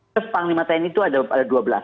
terus panglima tni itu ada dua belas